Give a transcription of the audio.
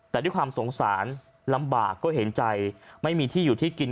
แต่ด้วยความสงสารลำบากก็เห็นใจไม่มีที่อยู่ที่กิน